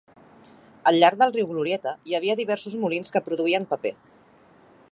Al llarg del riu Glorieta hi havia diversos molins que produïen paper.